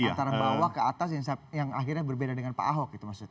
antara bawah ke atas yang akhirnya berbeda dengan pak ahok gitu maksudnya